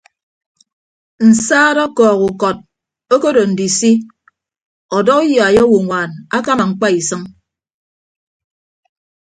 Nsaat ọkọọk ukọt okodo ndisi ọdọ uyai owoññwaan akama ñkpa isʌñ.